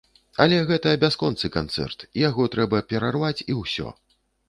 Але гэта бясконцы канцэрт, яго трэба перарваць, і ўсё.